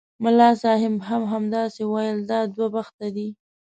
ملا صاحب هم همداسې ویل دا دوه بخته دي.